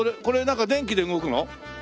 これなんか電気で動くの？